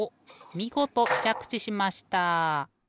みごとちゃくちしました。